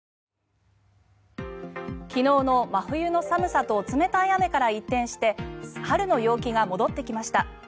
昨日の真冬の寒さと冷たい雨から一転して春の陽気が戻ってきました。